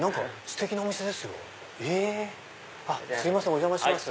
お邪魔します。